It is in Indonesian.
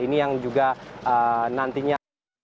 ini yang juga nantinya